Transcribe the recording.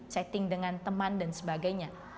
setting dengan teman dan sebagainya